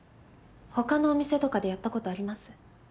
他のお店とかでやったことあります？